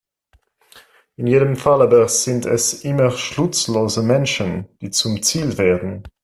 In jedem Fall aber sind es immer schutzlose Menschen, die zum Ziel werden.